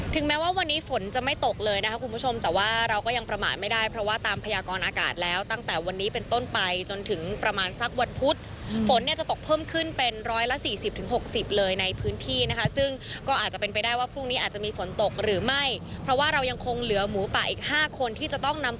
แม้ว่าวันนี้ฝนจะไม่ตกเลยนะคะคุณผู้ชมแต่ว่าเราก็ยังประมาทไม่ได้เพราะว่าตามพยากรอากาศแล้วตั้งแต่วันนี้เป็นต้นไปจนถึงประมาณสักวันพุธฝนเนี่ยจะตกเพิ่มขึ้นเป็นร้อยละสี่สิบถึงหกสิบเลยในพื้นที่นะคะซึ่งก็อาจจะเป็นไปได้ว่าพรุ่งนี้อาจจะมีฝนตกหรือไม่เพราะว่าเรายังคงเหลือหมูป่าอีกห้าคนที่จะต้องนำ